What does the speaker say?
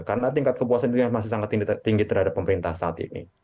karena tingkat kepuasan ini masih sangat tinggi terhadap pemerintah saat ini